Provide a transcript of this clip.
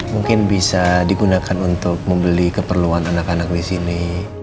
mungkin bisa digunakan untuk membeli keperluan anak anak disini